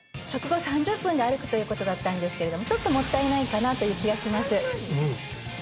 食後３０分で歩くということだったんですけれどももったいないかなという気がします